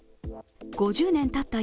５０年たった